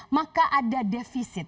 maka ada defisit